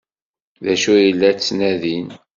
D acu ay la ttnadin?